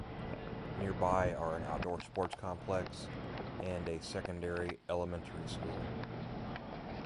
Nearby are an outdoor sports complex and a second elementary school.